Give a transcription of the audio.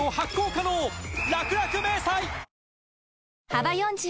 幅４０